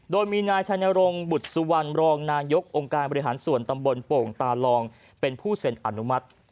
โดยมีนายชัยนรงค์บุตรสุวรรณรองนายกองค์การบริหารส่วนตำบลโป่งตาลองเป็นผู้เซ็นอนุมัติ